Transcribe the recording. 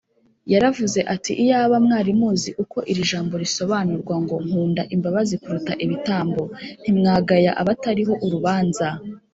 yaravuze ati, “iyaba mwari muzi uko iri jambo risobanurwa ngo ‘nkunda imbabazi kuruta ibitambo’ ntimwagaya abatariho urubanza